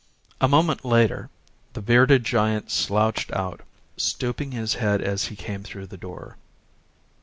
A moment later, the bearded giant slouched out, stooping his head as he came through the door.